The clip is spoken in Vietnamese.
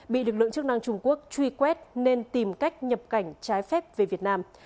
bị lực lượng chức năng trung quốc truy quét nên tìm cách nhập cảnh trái phép về việt nam